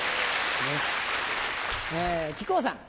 木久扇さん。